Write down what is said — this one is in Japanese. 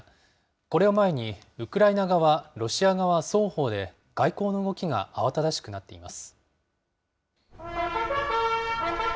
これを前に、ウクライナ側、ロシア側双方で外交の動きが慌ただしくなっています。